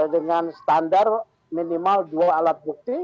dengan standar minimal dua alat bukti